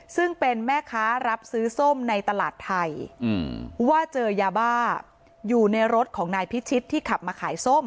ซึ่งเป็นแม่ค้ารับซื้อส้มในตลาดไทยว่าเจอยาบ้าอยู่ในรถของนายพิชิตที่ขับมาขายส้ม